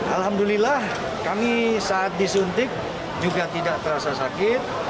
alhamdulillah kami saat disuntik juga tidak terasa sakit